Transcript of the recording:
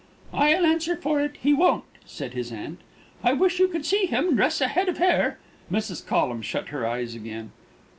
"I'll answer for it, he won't," said his aunt. "I wish you could see him dress a head of hair." Mrs. Collum shut her eyes again.